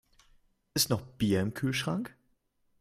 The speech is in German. Ist noch Bier im Kühlschrank?